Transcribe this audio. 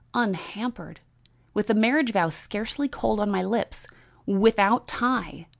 "Unhampered! with the marriage vow scarcely cold on my lips! Without tie!